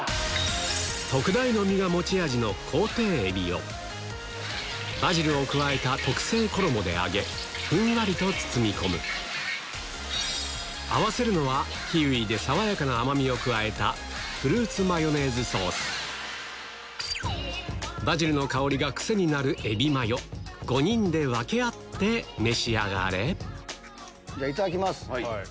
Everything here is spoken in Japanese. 特大の身が持ち味バジルを加えた特製衣で揚げふんわりと包み込む合わせるのはキウイで爽やかな甘みを加えたフルーツマヨネーズソースバジルの香りが癖になるエビマヨ５人で分け合って召し上がれいただきます。